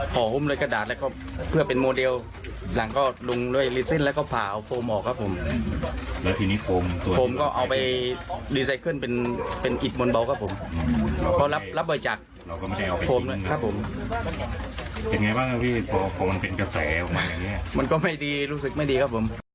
ปันรูปให้เขาสร้างขาดส่วนเราของเข้าใจแต่หลังก็จะและไปพักการเข้าใจของเขาให้มองได้ล่ะ